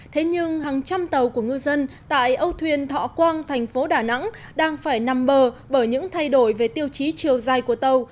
thế nhưng hàng trăm tàu của ngư dân tại âu thuyền thọ quang thành phố đà nẵng đang phải nằm bờ bởi những thay đổi về tiêu chí chiều dài của tàu